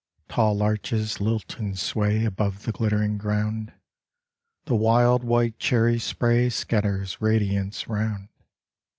Tall larches lilt and sway Above the glittering ground : The wild white cherry spray Scatters radiance round.